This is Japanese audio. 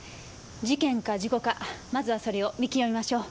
事件か事故かまずはそれを見極めましょう。